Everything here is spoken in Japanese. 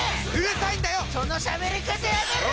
そのしゃべり方やめろ！